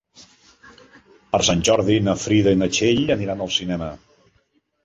Per Sant Jordi na Frida i na Txell aniran al cinema.